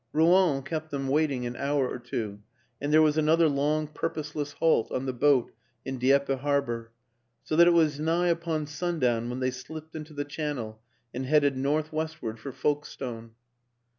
Rouen kept them waiting an hour or two, and there was another long, purposeless halt on the boat in Dieppe Harbor; so that it was nigh upon sundown when they slipped into the Channel and headed north westward for Folkestone.